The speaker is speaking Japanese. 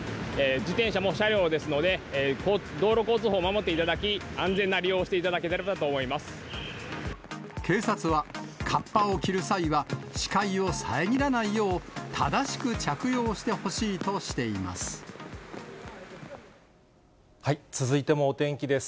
自転車も車両ですので、道路交通法を守っていただき、安全な利用をしていただけたらと警察は、かっぱを着る際は視界を遮らないよう正しく着用してほしいとして続いてもお天気です。